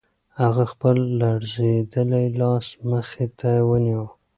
هغه خپل لړزېدلی لاس مخې ته ونیو.